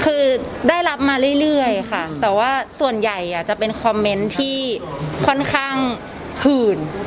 คือได้รับมาเรื่อยค่ะแต่ว่าส่วนใหญ่จะเป็นคอมเมนต์ที่ค่อนข้างหื่น